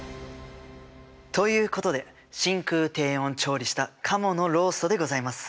ということで真空低温調理したカモのローストでございます。